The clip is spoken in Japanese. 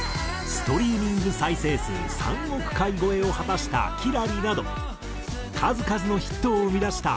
ストリーミング再生数３億回超えを果たした『きらり』など数々のヒットを生み出した藤井風をはじめ。